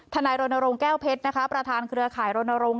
นายรณรงค์แก้วเพชรนะคะประธานเครือข่ายรณรงค